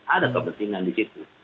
ada kepentingan di situ